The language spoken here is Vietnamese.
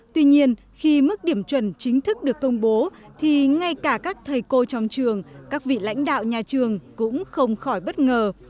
tuy nhiên khi mức điểm chuẩn chính thức được công bố thì ngay cả các thầy cô trong trường các vị lãnh đạo nhà trường cũng không khỏi bất ngờ